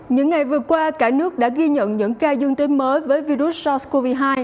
những ngày vừa qua cả nước đã ghi nhận những ca dương tính mới với virus sars cov hai